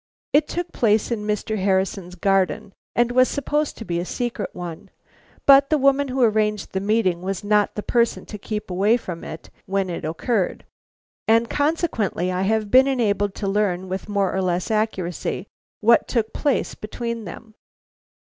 It took place in Mr. Harrison's garden, and was supposed to be a secret one, but the woman who arranged the meeting was not the person to keep away from it when it occurred, and consequently I have been enabled to learn with more or less accuracy what took place between them.